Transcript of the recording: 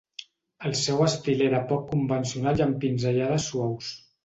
El seu estil era poc convencional i amb pinzellades suaus.